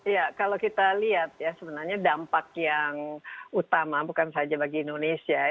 ya kalau kita lihat ya sebenarnya dampak yang utama bukan saja bagi indonesia